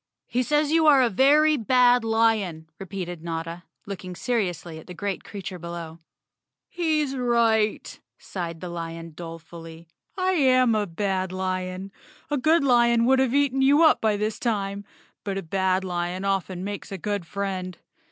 "He says you are a very bad lion," repeated Notta, looking seriously at the great creature below. "He's right," sighed the lion dolefully. "I am a bad lion. A good lion would have eaten you up by this time, but a bad lion often makes a good friend.